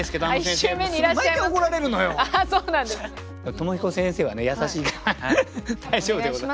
鞆彦先生はね優しいから大丈夫でございます。